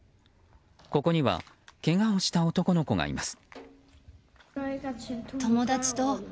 ここにはけがをした男の子がいます。